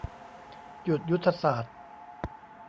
จุดยุทธศาสตร์